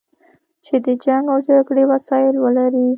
چې د جنګ او جګړې وسایل ولري.